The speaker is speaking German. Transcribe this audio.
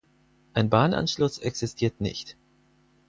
Ein Bahnanschluss existiert nicht.